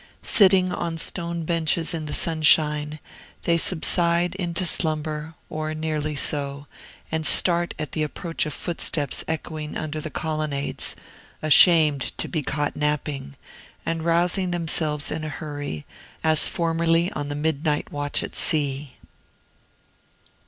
Sitting on stone benches in the sunshine, they subside into slumber, or nearly so, and start at the approach of footsteps echoing under the colonnades, ashamed to be caught napping, and rousing themselves in a hurry, as formerly on the midnight watch at sea.